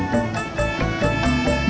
ya pat teman gue